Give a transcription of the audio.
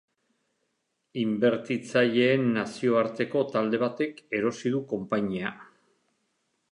Inbertitzaileen nazioarteko talde batek erosi du konpainia.